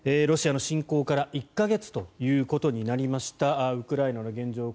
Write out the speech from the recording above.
ロシアの侵攻から１か月ということになりましたウクライナの現状